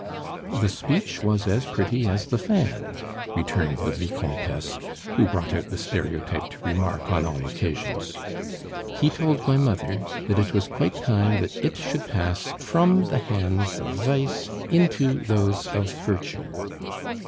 "The speech was as pretty as the fan," returned the Vicomtesse, who brought out the stereotyped remark on all occasions. "He told my mother that it was quite time that it should pass from the hands of vice into those of virtue."